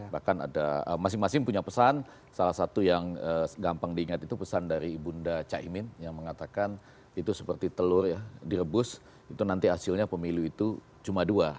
bahkan ada masing masing punya pesan salah satu yang gampang diingat itu pesan dari ibunda caimin yang mengatakan itu seperti telur ya direbus itu nanti hasilnya pemilu itu cuma dua